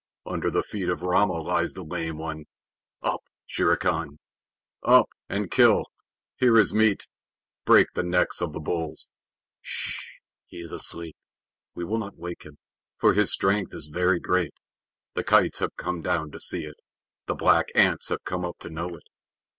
Under the feet of Rama lies the Lame One! Up, Shere Khan! Up and kill! Here is meat; break the necks of the bulls! Hsh! He is asleep. We will not wake him, for his strength is very great. The kites have come down to see it. The black ants have come up to know it.